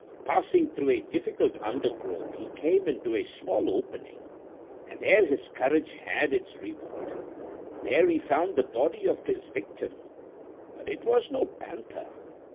Passing through a difficult undergrowth he came into a small opening, and there his courage had its reward, for there he found the body of his victim. But it was no panther.